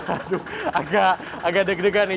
aduh agak deg degan nih